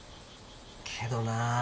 けどなぁ